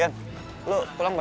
eh ian lu kelam bareng gak